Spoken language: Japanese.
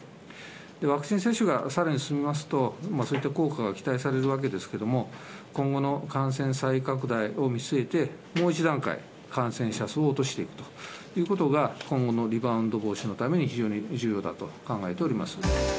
ワクチン接種がさらに進みますと、そういった効果が期待されるわけですけれども、今後の感染再拡大を見据えて、もう１段階感染者数を落としていくということが、今後のリバウンド防止のために非常に重要だと考えております。